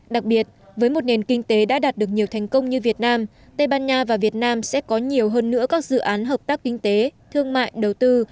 đặc biệt với một nền kinh tế đã đạt được nhiều thành công như việt nam tây ban nha và việt nam sẽ có nhiều hơn nữa các dự án hợp tác kinh tế thương mại đầu tư